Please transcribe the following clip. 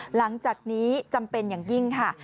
หลังจากนี้จำเป็นอย่างยิ่งค่ะ